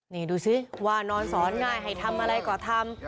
นี่ดูสิว่านอนสอนง่ายให้ทำอะไรก็ทำ